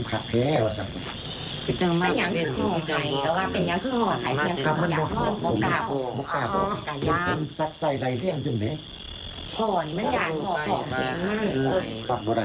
เอาไหมไปตรวจเล็กก็ได้ไปไหมคะไปไหมคะไปไหมตอนนี้ก็ได้